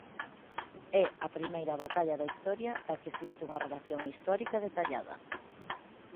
É a primeira batalla da historia da que existe unha relación histórica detallada.